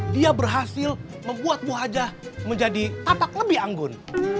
dia berhasil membuat bu hajah menjadi tatak lebih anggun